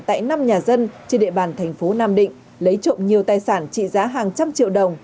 tại năm nhà dân trên địa bàn thành phố nam định lấy trộm nhiều tài sản trị giá hàng trăm triệu đồng